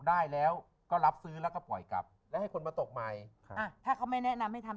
ได้แล้วก็รับซื้อแล้วก็ปล่อยกลับแล้วให้คนมาตกใหม่ครับอ่ะถ้าเขาไม่แนะนำให้ทำ